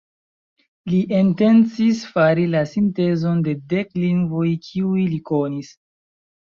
Li intencis fari la sintezon de dek lingvoj kiuj li konis.